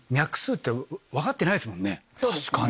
確かに。